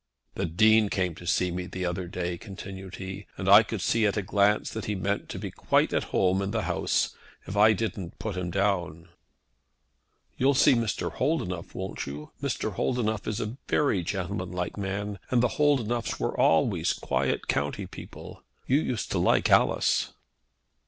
"The Dean came to me the other day," continued he, "and I could see at a glance that he meant to be quite at home in the house, if I didn't put him down." "You'll see Mr. Holdenough, won't you? Mr. Holdenough is a very gentlemanlike man, and the Holdenoughs were always quite county people. You used to like Alice."